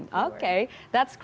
jadi ya berterus terang